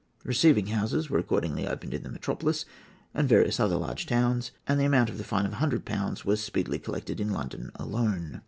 Receiving houses were accordingly opened in the metropolis and in various other large towns, and the amount of the fine of 100£ was speedily collected in London alone.